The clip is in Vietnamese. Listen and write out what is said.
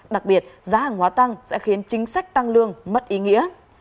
đặc biệt giá hàng hóa tăng sẽ khiến chính sách tăng lương mất ý nghĩa